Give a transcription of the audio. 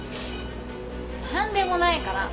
なんでもないから。